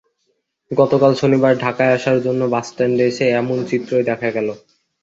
গতকাল শনিবার ঢাকায় আসার জন্য বাসস্ট্যান্ডে এসে এমন চিত্রই দেখা গেল।